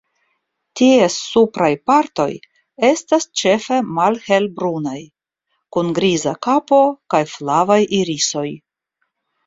Ties supraj partoj estas ĉefe malhelbrunaj, kun griza kapo kaj flavaj irisoj.